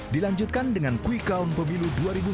dilanjutkan dengan quick count pemilu dua ribu sembilan belas